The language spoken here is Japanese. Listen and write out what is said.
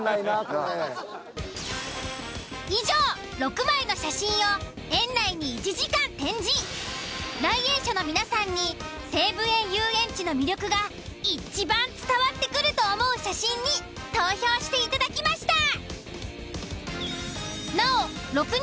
以上６枚の写真を来園者の皆さんに西武園ゆうえんちの魅力がいちばん伝わってくると思う写真に投票していただきました！